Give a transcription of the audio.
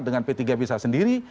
dengan p tiga bisa sendiri